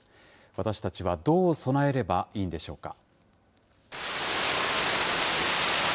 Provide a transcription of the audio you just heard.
私たちはどう備えればいいんでしょうか。